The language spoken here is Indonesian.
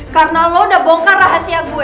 karena lo udah bongkar rahasia gue